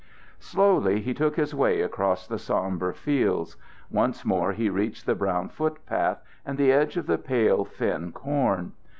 Slowly he took his way across the sombre fields. Once more he reached the brown foot path and the edge of the pale, thin corn.